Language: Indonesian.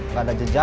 gak ada jejak